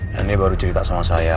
dan dia baru cerita sama saya